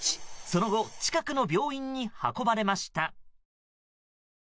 その後近くの病院に運ばれました。